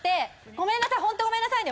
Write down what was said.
ごめんなさいホントごめんなさいね。